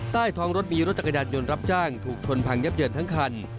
ใต้ท้องรถมีรถจักรยานยนต์รับจ้างถูกชนพังยับเยินทั้งคัน